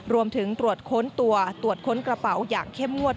รวมถึงตรวจค้นตัวตรวจค้นกระเป๋าอย่างเข้มงวด